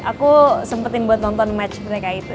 aku sempetin buat nonton match break nya itu